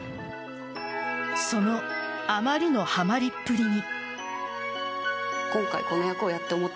そのあまりのハマりっぷりに。